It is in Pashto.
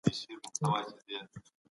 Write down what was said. تېر نسل تر ننني نسل ډېر په عذاب وو.